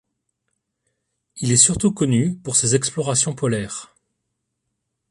Il est surtout connu pour ses explorations polaires.